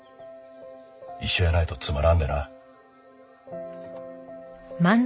一緒やないとつまらんでな。